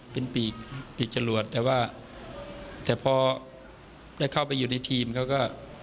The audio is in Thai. เป็นปีกจรวดแต่พอได้เข้าไปอยู่ในเทีมเขาก็